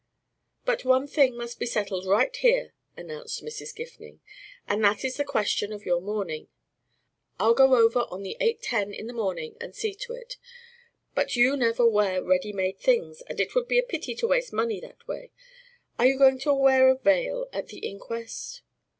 "But one thing must be settled right here," announced Mrs. Gifning, "and that is the question of your mourning. I'll go over on the eight ten in the morning and see to it. But you never wear ready made things and it would be a pity to waste money that way. Are you going to wear a veil at the inquest?"